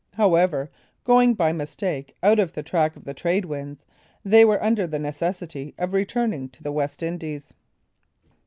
However, going by mistake out of the track of the trade winds, they were under the necessity of returning to the West Indies.